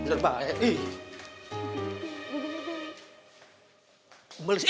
eh bener baik